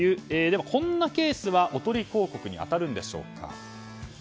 では、こういったケースはおとり広告に当たるんでしょうか。